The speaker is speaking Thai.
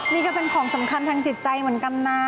นี่ก็เป็นของสำคัญทางจิตใจเหมือนกันนะ